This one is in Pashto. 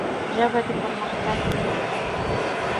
ژبه د پرمختګ زینه ده.